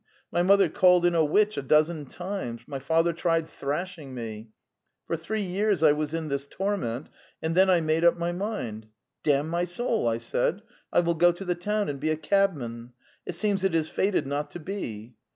My mother called in a witch a dozen times; my father tried thrashing me. For three years I was in this torment, and then I made up my mind. 'Damn my soul!' I said. 'I will go to the town and be a cabman. ... It seems it is fated not to be.